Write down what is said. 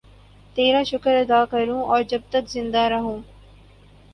تیرا شکر ادا کروں اور جب تک زندہ رہوں